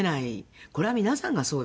これは皆さんがそうです。